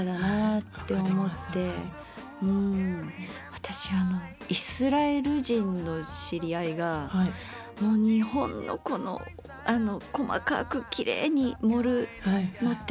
私あのイスラエル人の知り合いが日本のこの細かくきれいに盛るのって本当にすばらしい！